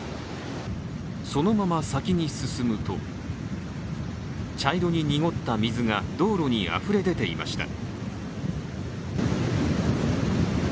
そのまま先に進むと茶色に濁った水が道路にあふれ出ていました。